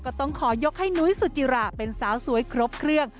ต้องขอยกให้นุ้ยสุจิราเป็นสาวสวยครบเครื่อง